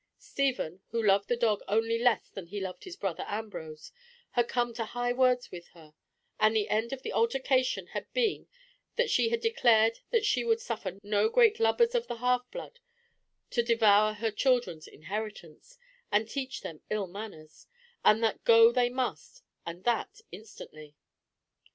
Stephen, who loved the dog only less than he loved his brother Ambrose, had come to high words with her; and the end of the altercation had been that she had declared that she would suffer no great lubbers of the half blood to devour her children's inheritance, and teach them ill manners, and that go they must, and that instantly.